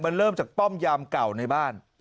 มันเริ่มจากป้อมยามเก่าในบ้าน